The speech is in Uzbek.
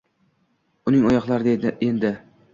Uning oyoqlarida endi